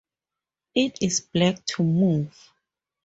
It is Black to move.